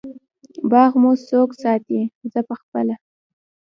باغ مو څوک ساتی؟ زه پخپله